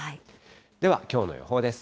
では、きょうの予報です。